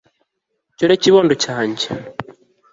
cyo rero kibondo cyange